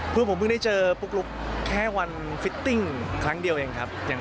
คือผมเพิ่งได้เจอปุ๊กลุ๊กแค่วันฟิตติ้งครั้งเดียวเองครับ